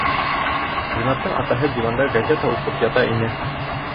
Ринаттың атаһы диванда газета уҡып ята ине.